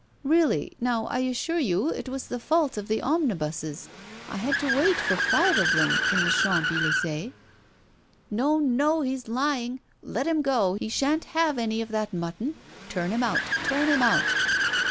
'Really, now, I assure you it was the fault of the omnibuses. I had to wait for five of them in the Champs Elysées.' 'No, no, he's lying! Let him go, he sha'n't have any of that mutton. Turn him out, turn him out!